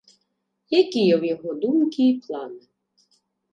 Якія ў яго думкі і планы?